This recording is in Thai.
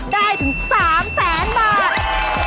ได้ถึง๓แสนบาท